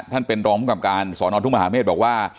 ท่านเป็นรองมุมกรรมการสอนอนทุกมหาเมฆบอกว่า